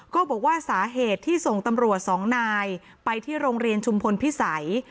ก็บอกว่าสาเหตุที่ส่งตำรวจสองนายไปที่โรงเรียนชุมพลพิสัย